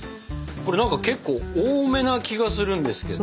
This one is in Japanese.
これ何か結構多めな気がするんですけど。